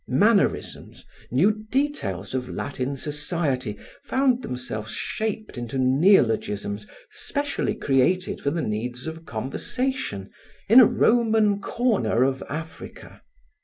Mannerisms, new details of Latin society found themselves shaped into neologisms specially created for the needs of conversation, in a Roman corner of Africa.